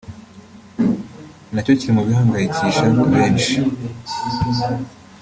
nacyo kiri mu bihangayikisha benshi